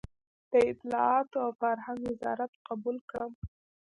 د اطلاعاتو او فرهنګ وزارت قبول کړم.